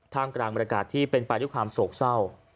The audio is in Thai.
ทางกลางบรรกาศที่เป็นปลายด้วยความโศกเศร้า